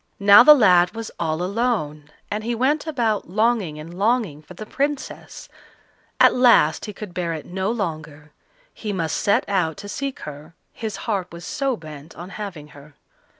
Now the lad was all alone, and he went about longing and longing for the Princess; at last he could bear it no longer; he must set out to seek her, his heart was so bent on having her.